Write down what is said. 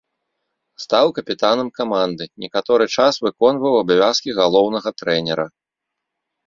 Стаў капітанам каманды, некаторы час выконваў абавязкі галоўнага трэнера.